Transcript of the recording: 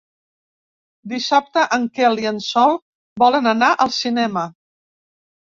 Dissabte en Quel i en Sol volen anar al cinema.